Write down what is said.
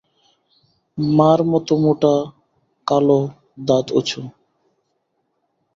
মার মতো মোটা, কালো, দাঁত উঁচু।